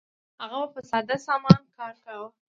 هغه به په ساده سامان کار کاوه.